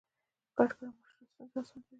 ګډ کار او مشوره ستونزې اسانه کوي.